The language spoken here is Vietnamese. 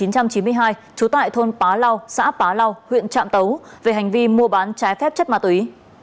trú tại thôn bá lau xã bá lau huyện trạm tấu về hành vi mua bán trái phép chất ma túy